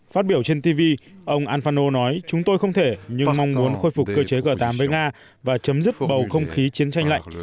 phát biểu trên tv ông al fano nói chúng tôi không thể như mong muốn khôi phục cơ chế g tám với nga và chấm dứt bầu không khí chiến tranh lạnh